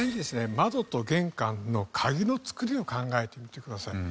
窓と玄関の鍵の作りを考えてみてください。